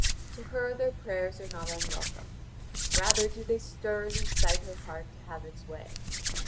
To her their prayers are not unwelcome; rather do they stir and incite her heart to have its way.